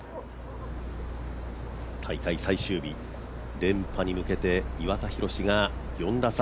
大会最終日連覇に向けて岩田寛が４打差。